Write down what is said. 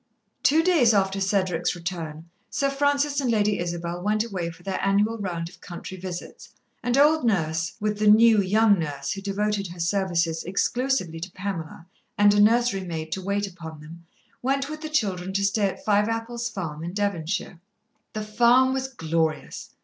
Two days after Cedric's return, Sir Francis and Lady Isabel went away for their annual round of country visits, and old Nurse, with the new, young nurse who devoted her services exclusively to Pamela, and a nursery maid to wait upon them, went with the children to stay at Fiveapples Farm in Devonshire. The farm was glorious.